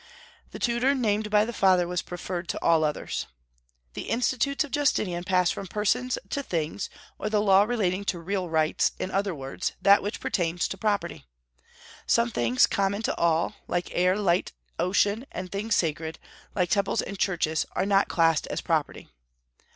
The tutor named by the father was preferred to all others. The Institutes of Justinian pass from persons to things, or the law relating to real rights; in other words, that which pertains to property. Some things common to all, like air, light, the ocean, and things sacred, like temples and churches, are not classed as property.